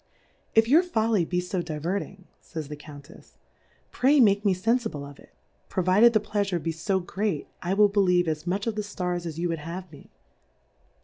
If your Folly be fo div^erting, pn's the Countefs^ Pray make me fenfible of it ; provided the Pleafure be fo great, I will believe as much of the Stars as you v/ould have me.